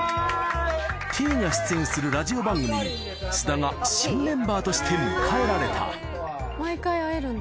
Ｔが出演するラジオ番組に、須田が新メンバーとして迎えられた。